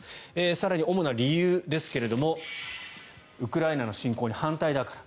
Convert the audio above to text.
更に主な理由ですがウクライナの侵攻に反対だから。